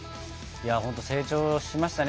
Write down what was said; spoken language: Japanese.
成長しましたね